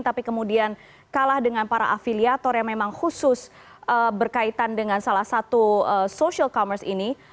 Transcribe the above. tapi kemudian kalah dengan para afiliator yang memang khusus berkaitan dengan salah satu social commerce ini